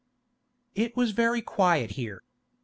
It was very quiet here.